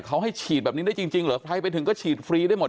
เขาให้ฉีดแบบนี้ได้จริงเหรอใครไปถึงก็ฉีดฟรีได้หมด